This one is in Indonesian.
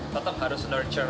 tetap harus nurture